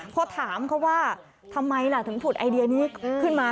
พอถามเขาว่าทำไมล่ะถึงผุดไอเดียนี้ขึ้นมา